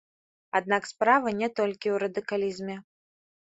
Аднак справа не толькі ў радыкалізме.